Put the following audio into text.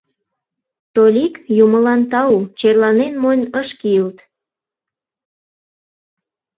Толик, Юмылан тау, черланен мойн ыш кийылт.